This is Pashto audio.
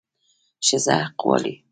ښځه حق غواړي